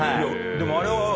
でもあれは。